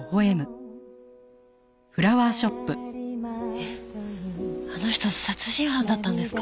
えっあの人殺人犯だったんですか？